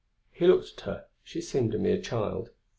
He looked at her; she seemed a mere child.